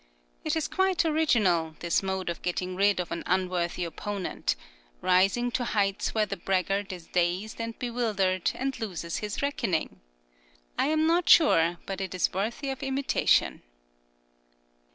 It is quite original, this mode of getting rid of an unworthy opponent, rising to heights where the braggart is dazed and bewildered and loses his reckoning! I am not sure but it is worthy of imitation.